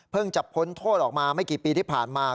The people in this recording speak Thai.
จะพ้นโทษออกมาไม่กี่ปีที่ผ่านมา